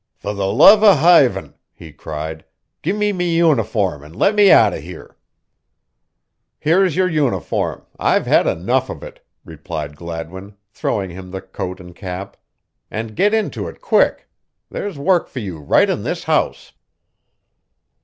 "Fer the love o' hivin," he cried, "give me me uniform and let me out o' here." "Here's your uniform; I've had enough of it," replied Gladwin, throwing him the coat and cap, "and get into it quick. There's work for you right in this house."